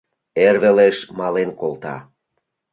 Эр велеш мален колта.